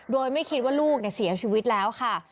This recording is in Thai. โดยไม่คิดว่าลูกเสียชีวิตแล้วค่ะ